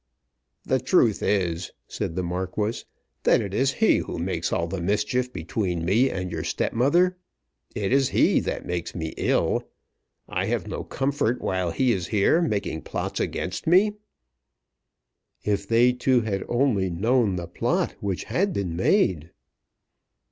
"The truth is," said the Marquis, "that it is he who makes all the mischief between me and your stepmother. It is he that makes me ill. I have no comfort while he is here, making plots against me." If they two had only known the plot which had been made!